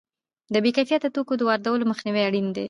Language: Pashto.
د بې کیفیته توکو د وارداتو مخنیوی اړین دی.